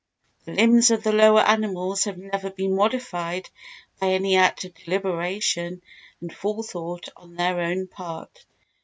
The limbs of the lower animals have never been modified by any act of deliberation and forethought on their own part.